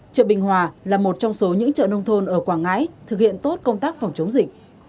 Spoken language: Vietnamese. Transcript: chợ bình hòa là một trong số những chợ nông thôn ở quảng ngãi thực hiện tốt công tác phòng chống dịch